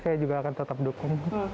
saya juga akan tetap dukung